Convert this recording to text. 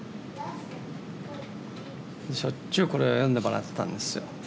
しょっちゅうこれを読んでもらってたんですよ。